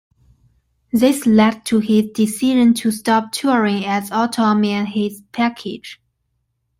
This led to his decision to stop touring as Atom and His Package.